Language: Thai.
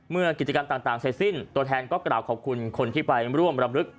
เมื่อกิจกรรมต่างเสร็จสิ้นตัวแทนก็กล่าวขอบคุณคนที่ไปร่วมรำลึก